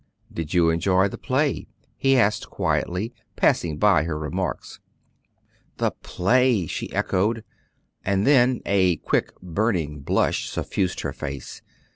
"Did you enjoy the play?" he asked quietly, passing by her remarks. "The play!" she echoed, and then a quick burning blush suffused her face.